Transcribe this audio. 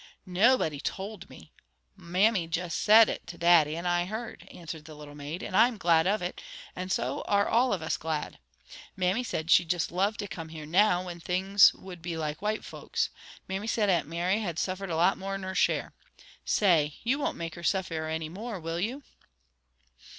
"Nobody told me! Mammy just SAID it to Daddy, and I heard," answered the little maid. "And I'm glad of it, and so are all of us glad. Mammy said she'd just love to come here now, whin things would be like white folks. Mammy said Aunt Mary had suffered a lot more'n her share. Say, you won't make her suffer any more, will you?"